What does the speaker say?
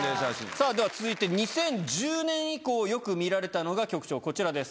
さぁでは続いて２０１０年以降よく見られたのが局長こちらです。